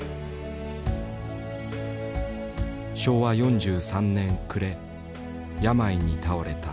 昭和４３年暮れ病に倒れた。